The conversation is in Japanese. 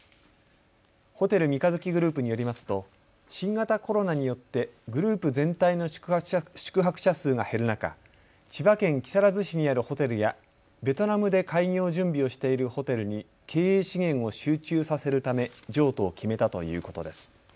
ホテル三日月グループによりますと新型コロナによってグループ全体の宿泊者数が減る中、千葉県木更津市にあるホテルやベトナムで開業準備をしているホテルに経営資源を集中させるため譲渡を決めたということです。